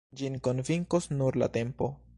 Ĝin konvinkos nur la tempo.